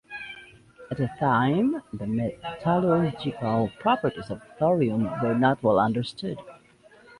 At the time the metallurgical properties of thorium were not well understood.